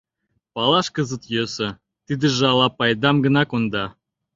Палаш кызыт йӧсӧ — тидыже ала пайдам гына конда..